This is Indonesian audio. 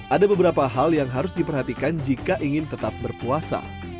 ada beberapa hal yang harus diperhatikan jika ingin tetap berpuasa